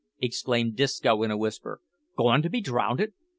exclaimed Disco in a whisper, "goin' to be drownded!